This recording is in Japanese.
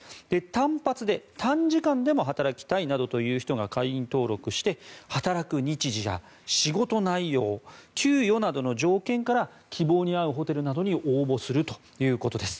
単発で短時間でも働きたいという人などが会員登録して働く日時や仕事内容給与などの条件から希望に合うホテルなどに応募するということです。